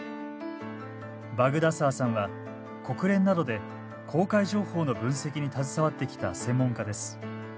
バグダサーさんは国連などで公開情報の分析に携わってきた専門家です。